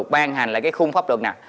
ban hành lại cái khung pháp luật nè